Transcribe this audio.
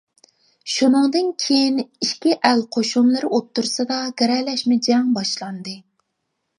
شۇنىڭدىن كېيىن ئىككى ئەل قوشۇنلىرى ئوتتۇرىسىدا گىرەلەشمە جەڭ باشلاندى.